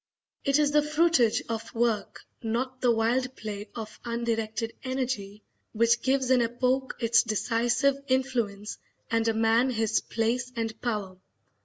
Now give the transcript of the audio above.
It is the fruitage of work, not the wild play of undirected energy, which gives an epoch its decisive influence and a man his place and power.